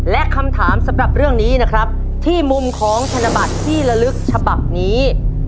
และคำถามสำหรับเรื่องนี้นะครับที่มุมของธนบัตรที่ละลึกฉบับนี้